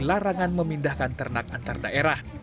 larangan memindahkan ternak antardaerah